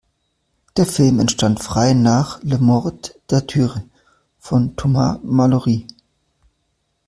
Der Film entstand frei nach "Le Morte d’Arthur" von Thomas Malory.